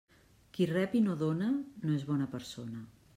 Qui rep i no dóna no és bona persona.